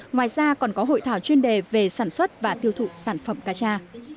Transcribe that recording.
ngoài ra còn có hội thảo chuyên đề về sản xuất và tiêu thụ sản phẩm cá cha